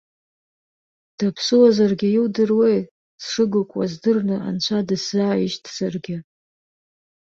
Даԥсыуазаргьы иудыруеи, сшыгәыкуаз дырны анцәа дысзааишьҭзаргьы?!